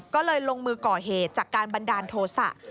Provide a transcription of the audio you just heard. ก็เลยลงมือก่อเหตุจากการบันดาลโทษะ